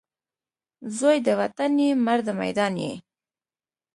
زوی د وطن یې ، مرد میدان یې